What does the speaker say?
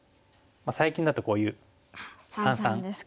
最近だとこういう三々。あっ三々ですか。